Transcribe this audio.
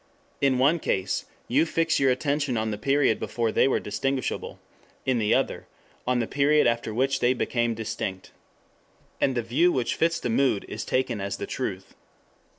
In one case you fix your attention on the period before they were distinguishable; in the other on the period after which they became distinct. And the view which fits the mood is taken as the "truth."